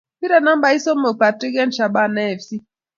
Pire nambai somok Patrick en shabana fc